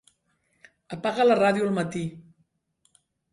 Apaga la ràdio al matí.